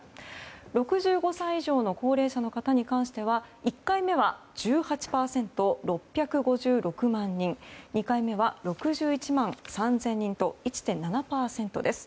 ６５歳以上の高齢者に関しては１回目は１８％、６５６万人２回目は６１万３０００人と１．７％です。